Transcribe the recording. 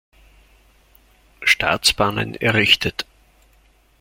Staatsbahnen errichtet.